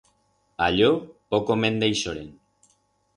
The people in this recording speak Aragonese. A yo poco me'n deixoren.